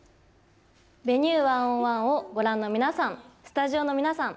「Ｖｅｎｕｅ１０１」をご覧の皆さん、スタジオの皆さん